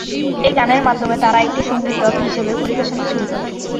এই গানের মাধ্যমে তারা একটি সঙ্গীত দল হিসেবে পরিবেশনা শুরু করেন।